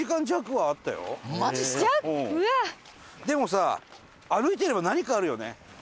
でもさ歩いてれば何かあるよね。